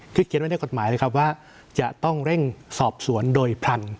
คือเขียนไว้ในกฎหมายเลยครับว่าจะต้องเร่งสอบสวนโดยพลัน